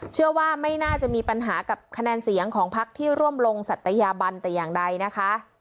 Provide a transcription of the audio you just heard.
เชื่อว่าไม่น่าจะมีปัญหากับคะแนนเสียงของพักที่ร่วมลงศัตยาบันแต่อย่างใดนะคะ